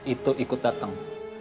itu ikut dateng